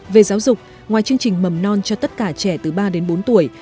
về giáo dục ngoài chương trình mầm non cho tất cả trẻ từ ba đến bốn tuổi